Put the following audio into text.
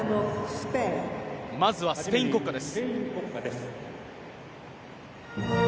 まずはスペイン国歌です。